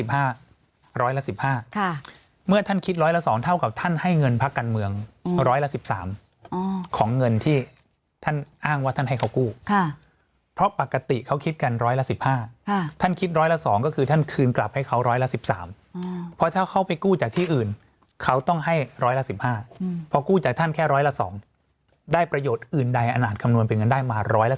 เพราะท่านให้เงินพักการเมืองร้อยละสิบสามอ๋อของเงินที่ท่านอ้างว่าท่านให้เขากู้ค่ะเพราะปกติเขาคิดกันร้อยละสิบห้าค่ะท่านคิดร้อยละสองก็คือท่านคืนกลับให้เขาร้อยละสิบสามอ๋อเพราะถ้าเขาไปกู้จากที่อื่นเขาต้องให้ร้อยละสิบห้าอืมเพราะกู้จากท่านแค่ร้อยละสองได้ประโยชน์อื่นใดอาหารคํ